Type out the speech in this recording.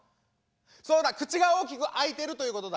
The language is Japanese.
そうだ口が大きく開いているということだ。